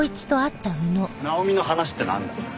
奈穂美の話ってなんだ？